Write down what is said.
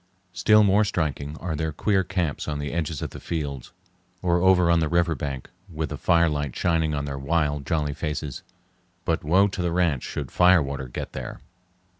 Still more striking are their queer camps on the edges of the fields or over on the river bank, with the firelight shining on their wild jolly faces. But woe to the ranch should fire water get there!